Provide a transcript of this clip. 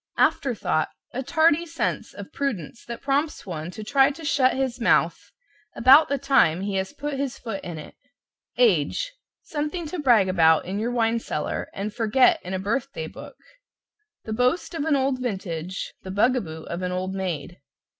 =AFTERTHOUGHT= A tardy sense of prudence that prompts one to try to shut his mouth about the time he has put his foot in it. =AGE= Something to brag about in your wine cellar and forget in a birth day book The boast of an old vintage, the bug a boo of an old maid.